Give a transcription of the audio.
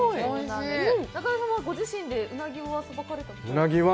中山さんはご自身でうなぎはさばかれたことは？